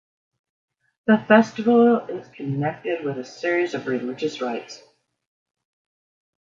This Festival is connected with a series of religious rites.